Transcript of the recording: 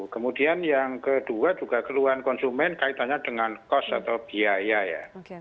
kemudian yang kedua juga keluhan konsumen kaitannya dengan cost atau biaya ya